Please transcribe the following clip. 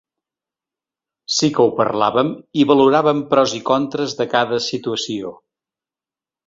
Sí que ho parlàvem i valoràvem pros i contres de cada situació.